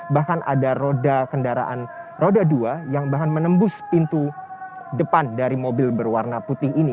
bahkan ada roda kendaraan roda dua yang bahkan menembus pintu depan dari mobil berwarna putih ini